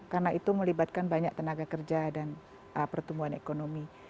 karena itu melibatkan banyak tenaga kerja dan pertumbuhan ekonomi